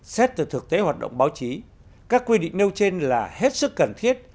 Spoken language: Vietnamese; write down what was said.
xét từ thực tế hoạt động báo chí các quy định nêu trên là hết sức cần thiết